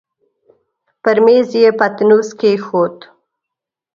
پر مېز يې پتنوس کېښود.